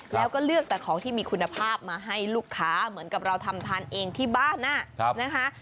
แล้วก็เลือกแต่ของที่มีคุณภาพมาให้ลูกค้าเหมือนกับเราทำทานเองที่บ้านนะคะ